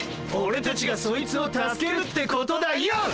オレたちがそいつを助けるってことだよ！